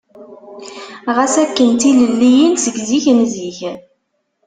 Ɣas akken d tilelliyin seg zik n zik.